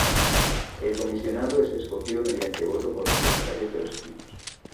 El comisionado es escogido mediante voto por los propietarios de los equipos.